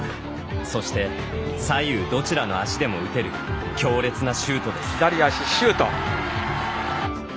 そして、左右どちらの足でも打てる強烈なシュートです。